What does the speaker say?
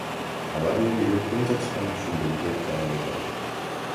Алар мени үйлөнткөнү жатышканын түшүндүм, — деп баяндайт ал.